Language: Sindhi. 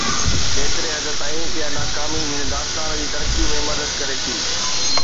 ڪيتري حد تائين اها ناڪامي هن داستان جي ترقي ۾ مدد ڪري ٿي؟